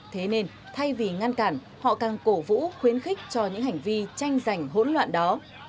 thế nên thay vì ngăn cản họ càng cổ vũ khuyến khích cho những hành vi tranh giành hỗn loạn đó